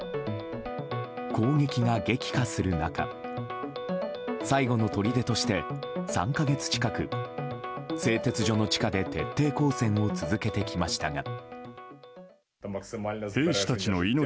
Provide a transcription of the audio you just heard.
攻撃が激化する中最後のとりでとして３か月近く、製鉄所の地下で徹底抗戦を続けてきましたが。